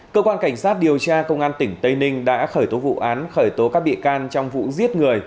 cơ quan cảnh sát điều tra công an tỉnh tây ninh đã khởi tố vụ án khởi tố các bị can trong vụ giết người